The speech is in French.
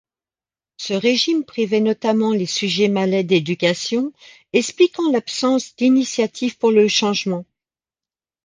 Ce régime privait notamment les sujets malais d'éducation, expliquant l'absence d'initiatives pour le changement.